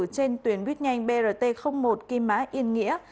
trên tuyến buýt nhanh brt một kim mã yên nghĩa